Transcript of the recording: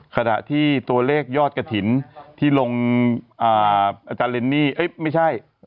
ขณะที่ตัวเลขยอดกระถิ่นที่ลงอาจารย์เรนนี่ไม่ใช่